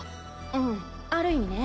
うんある意味ね。